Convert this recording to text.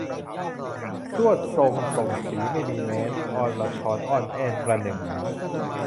ทรวดทรงส่งศรีไม่มีแม้น อรชรอ้อนแอ้นประหนึ่งเหลา